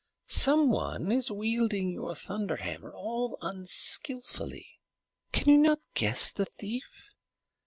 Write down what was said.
Some one is wielding your thunder hammer all unskillfully. Can you not guess the thief?